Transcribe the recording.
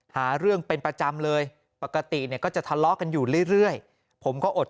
หาเรื่องเป็นประจำเลยปกติเนี่ยก็จะทะเลาะกันอยู่เรื่อยผมก็อด